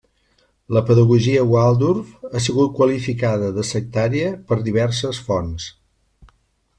La pedagogia Waldorf ha sigut qualificada de sectària per diverses fonts.